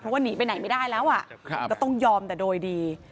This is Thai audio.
เพราะว่าหนีไปไหนไม่ได้แล้วก็ต้องยอมแต่โดยดี